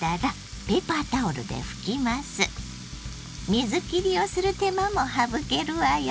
水きりをする手間も省けるわよ。